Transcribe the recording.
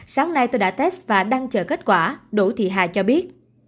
sáng nay tôi đã test và đang chờ kết quả đội thị hà cho biết